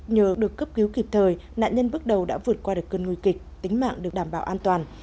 nhờ được cấp cứu kịp thời nạn nhân bước đầu đã vượt qua được cơn nguy kịch tính mạng được đảm bảo an toàn